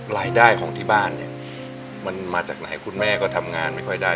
รายได้ของที่บ้านเนี่ยมันมาจากไหนคุณแม่ก็ทำงานไม่ค่อยได้